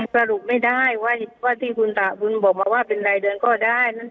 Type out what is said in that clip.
สรุปไม่ได้ว่าที่คุณตะบุญบอกมาว่าเป็นรายเดือนก็ได้